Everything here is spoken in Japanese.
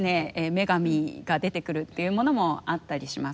女神が出てくるっていうものもあったりします。